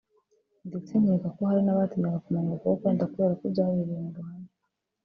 ndetse nkeka ko hari n’abatinyaga kumanika ukuboko wenda kubera ko byabereye mu ruhame